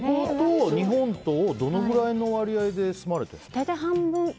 日本とどれぐらいの割合で住まれてるんですか。